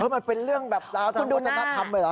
มันเป็นเรื่องแบบราวทางว่าจะนัดทำเลยหรอ